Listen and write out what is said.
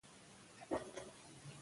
بل دا چې زما په اند یونلیک یو حقیقت دی.